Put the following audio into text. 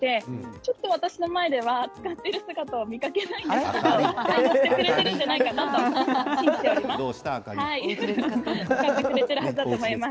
ちょっと私の前では使っているところ見かけないので使ってくれているんじゃないかなと思っています。